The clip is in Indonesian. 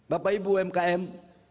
bapak ibu umkm